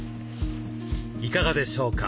いかがでしょうか？